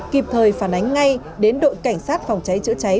kịp thời phản ánh ngay đến đội cảnh sát phòng cháy chữa cháy